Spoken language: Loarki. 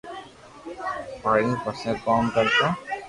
پڙين پسو ڪوم ڪرتو